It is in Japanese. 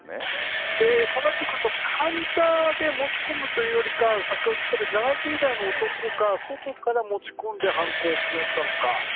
そうなってくると患者で持ち込むというよりかは７０代の男が外から持ち込んで犯行を行ったのか。